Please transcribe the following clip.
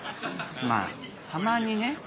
まぁたまにね。